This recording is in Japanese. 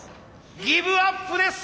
ギブアップです！